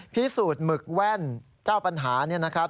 พิสูจน์หมึกแว่นเจ้าปัญหานี่นะครับ